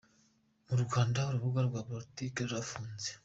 -Mu Rwanda urubuga rwa politiki rurafunze